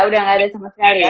udah nggak ada semacamnya